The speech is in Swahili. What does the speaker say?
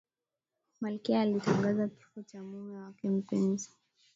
malkia alitangaza kifo cha mume wake mpenzi